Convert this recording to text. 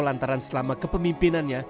lantaran selama kepemimpinannya